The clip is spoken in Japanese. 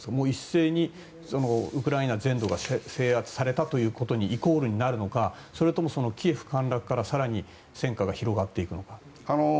一斉にウクライナ全土が制圧されたということにイコールになるのかそれともキエフ陥落から更に戦火が広がっていくのか。